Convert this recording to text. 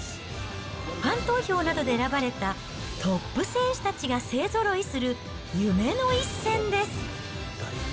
ファン投票などで選ばれたトップ選手たちが勢ぞろいする夢の一戦です。